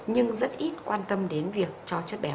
nhưng rất ít quan tâm đến việc cho chất béo